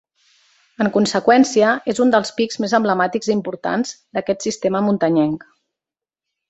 En conseqüència, és un dels pics més emblemàtics i importants d'aquest sistema muntanyenc.